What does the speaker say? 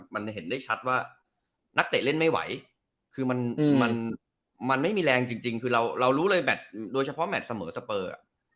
มันเห็นได้ชัดว่านักเตะเล่นไม่ไหวคือมันไม่มีแรงจริงคือเรารู้เลยแมทโดยเฉพาะแมทเสมอสเปอร์